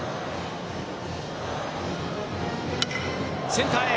センターへ。